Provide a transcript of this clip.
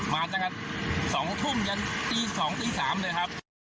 มาจาก๒ทุ่มกันตี๒ตี๓เลยครับ